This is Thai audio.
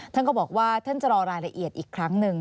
ท่านก็บอกว่าท่านจะรอรายละเอียดอีกครั้งหนึ่ง